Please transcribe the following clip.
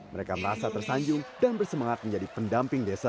mereka merasa tersanjung dan bersemangat menjadi pendamping desa